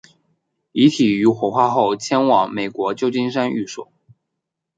遗体于火化后迁往美国旧金山寓所。